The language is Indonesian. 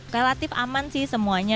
relatif aman sih semuanya